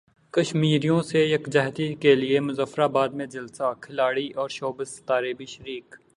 کشمیریوں سے یکجہتی کیلئے مظفر اباد میں جلسہ کھلاڑی اور شوبز ستارے بھی شریک